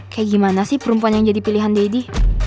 kayak gimana sih perempuan yang jadi pilihan deddy